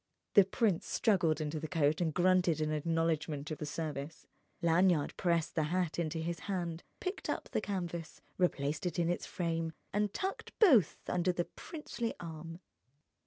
The prince struggled into the coat and grunted an acknowledgment of the service. Lanyard pressed the hat into his hand, picked up the canvas, replaced it in its frame, and tucked both under the princely arm.